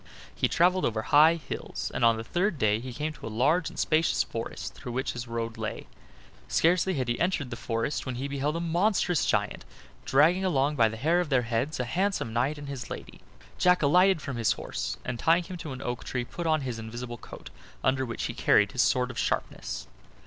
He traveled over high hills, and on the third day he came to a large and spacious forest through which his road lay. Scarcely had he entered the forest when he beheld a monstrous giant dragging along by the hair of their heads a handsome knight and his lady. Jack alighted from his horse, and tying him to an oak tree, put on his invisible coat, under which he carried his sword of sharpness.